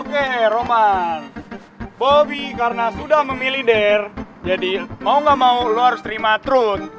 oke roman bobby karena sudah memilih der jadi mau gak mau lo harus terima tron